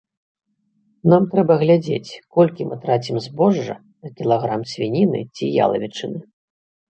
Нам трэба глядзець, колькі мы трацім збожжа на кілаграм свініны ці ялавічыны.